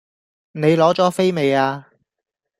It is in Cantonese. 你攞左飛未呀？